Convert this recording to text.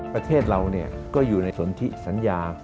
ประเทศเราก็อยู่ในสนทิสัญญา